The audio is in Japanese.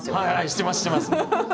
してますしてます。